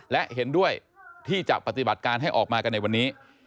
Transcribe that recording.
และเห็นด้วยที่จะปฏิบัติการให้ออกมากันในวันนี้